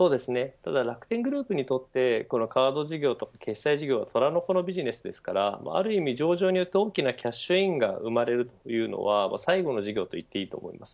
ただ楽天グループにとってカード事業とか決済事業は虎の子のビジネスですからある意味上場によって大きなキャッシュインが生まれるというのは最後の事業と言っていいと思います。